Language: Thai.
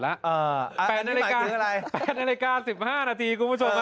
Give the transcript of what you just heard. ๘นาฬิกา๑๕นาทีคุณผู้ชม